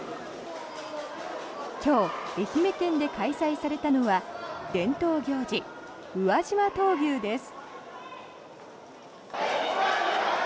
今日、愛媛県で開催されたのは伝統行事、宇和島闘牛です。